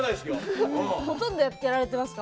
ほとんど、されてますか？